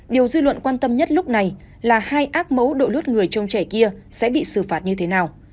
điều dư luận quan tâm nhất lúc này là hai ác mẫu đội lút người trông trẻ kia sẽ bị xử phạt như thế nào